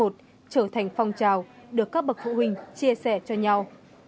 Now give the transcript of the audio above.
trở thành phong trào được các bậc phụ huynh chia sẻ cho nhau